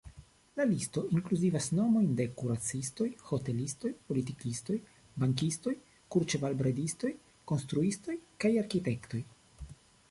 La listo inkluzivas nomojn de kuracistoj, hotelistoj, politikistoj, bankistoj, kurĉevalbredistoj, konstruistoj kaj arkitektoj.